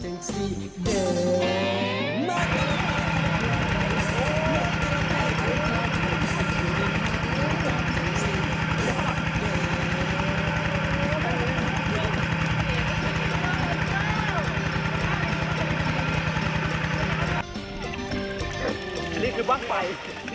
อันนี้คือบ้างไฟ